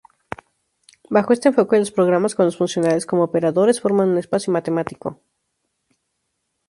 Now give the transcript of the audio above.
Bajo este enfoque los programas, con los funcionales como operadores, forman un espacio matemático.